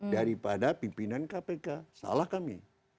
daripada pimpinan kpk salah kami